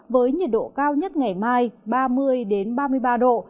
với nhiệt độ cao nhất ngày mai ba mươi ba mươi ba độ